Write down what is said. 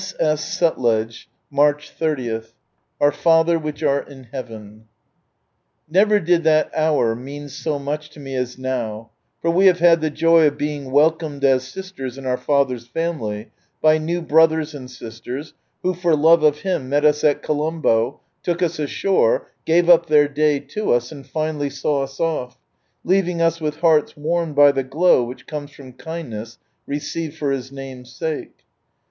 S.S. SiitleJ, March 30. —" Our Father which art in Heaven." Never did that " Our" mean so much to me as now, for we have had the joy of being welcomed as sisters in our Father's family, by new brothers and sisters, who, for love of Him, met us at Colombo, took us ashore, gave up their day to us, and finally saw us off, leaving us with hearts warmed by the glow which comes from kindness received for His Name's sake.